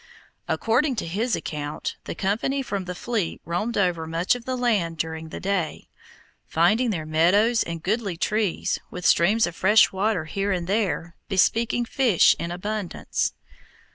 According to his account, the company from the fleet roamed over much of the land during the day, finding fair meadows and goodly trees, with streams of fresh water here and there bespeaking fish in abundance.